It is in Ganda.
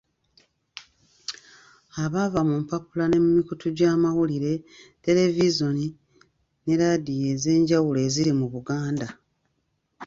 Abaava mu mpapula ne mu mikutu gy’amawulire, televizoni ne laadiyo ez’enjawulo eziri mu Buganda.